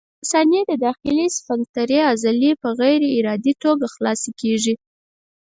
د مثانې د داخلي سفنکترې عضلې په غیر ارادي توګه خلاصه کېږي.